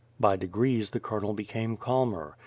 By degrees, the colonel became calmer.